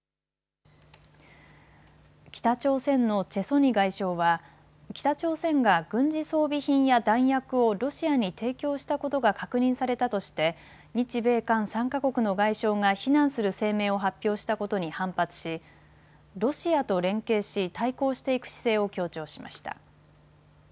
北朝鮮のチェ・ソニ外相は北朝鮮が軍事装備品や弾薬をロシアに提供したことが確認されたとして日米韓３か国の外相が非難する声明を発表したことに反発しロシアと連携し対抗していく姿勢を強調しました。